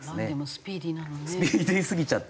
スピーディーすぎちゃって。